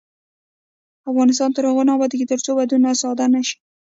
افغانستان تر هغو نه ابادیږي، ترڅو ودونه ساده نشي.